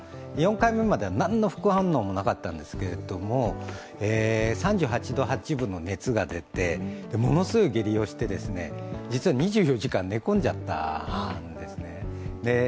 ４回目までは何の副反応もなかったんですけど、３８度８分の熱が出て、ものすごい下痢をして、実は２４時間寝込んじゃったんですね。